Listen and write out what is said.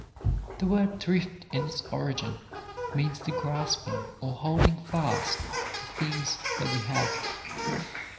The word thrift in its origin means the grasping or holding fast the things that we have.